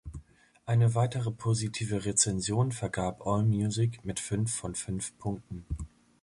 Eine weitere positive Rezension vergab Allmusic mit fünf von fünf Punkten.